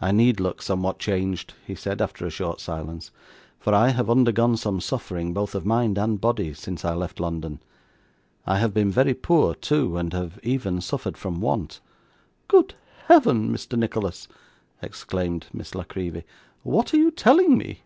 'I need look somewhat changed,' he said, after a short silence; 'for I have undergone some suffering, both of mind and body, since I left London. I have been very poor, too, and have even suffered from want.' 'Good Heaven, Mr. Nicholas!' exclaimed Miss La Creevy, 'what are you telling me?